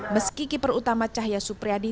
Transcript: meski keeper utama cahya supriyadi